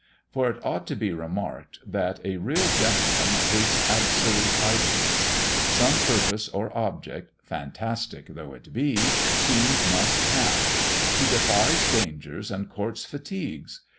For it ought to be remarked, that a real gentleman hates absolute idleness; some purpose or object, fantastic though it be, he must have: he defies dangers and courts fatigues.